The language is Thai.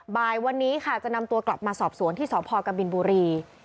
บ่ายวันนี้ค่ะจะนำตัวกลับมาสอบสวนที่สพกบินบุรี